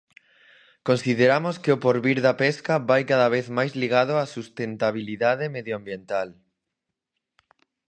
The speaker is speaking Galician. Consideramos que o porvir da pesca vai cada vez máis ligado á sustentabilidade medioambiental.